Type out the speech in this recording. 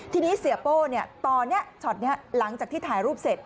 ทีนี้เสียโป้ตอนนี้ช็อตนี้หลังจากที่ถ่ายรูปเสร็จ